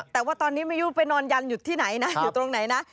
แต่ว่าตอนนี้ไม่รู้ไปนอนยันอยู่ที่ไหนนะอยู่ตรงไหนนะ